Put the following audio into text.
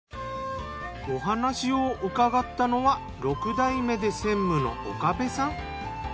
お話をうかがったのは６代目で専務の岡部さん。